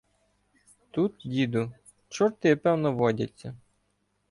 — Тут, діду, чорти, певно, водяться.